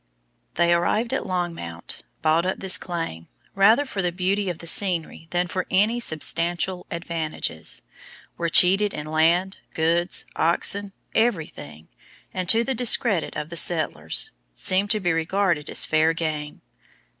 They arrived at Longmount, bought up this claim, rather for the beauty of the scenery than for any substantial advantages, were cheated in land, goods, oxen, everything, and, to the discredit of the settlers, seemed to be regarded as fair game.